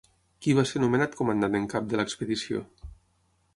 Qui va ser nomenat comandant en cap de l'expedició?